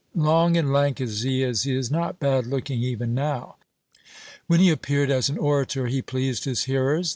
Long and lank as he is, he is not bad looking even now. When he appeared as an orator he pleased his hearers.